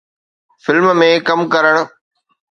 film ۾ ڪم ڪرڻ